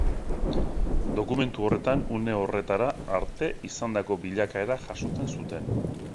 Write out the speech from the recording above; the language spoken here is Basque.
Dokumentu horretan une horretara arte izandako bilakaera jasotzen zuten.